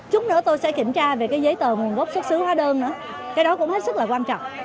lúc đó tôi sẽ kiểm tra về cái giấy tờ nguồn gốc xuất xứ hóa đơn nữa cái đó cũng hết sức là quan trọng